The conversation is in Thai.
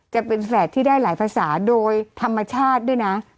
จะเป็นแฝดที่ได้หลายภาษาโดยธรรมชาติด้วยนะ